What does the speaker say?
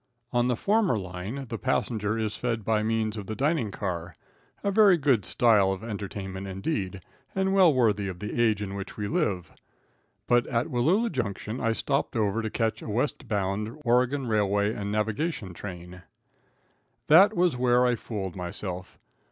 On the former line the passenger is fed by means of the dining car, a very good style of entertainment, indeed, and well worthy of the age in which we live; but at Wallula Junction I stopped over to catch a west bound Oregon Railway and Navigation train. That was where I fooled myself.